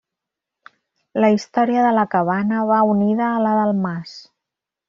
La història de la cabana va unida a la del mas.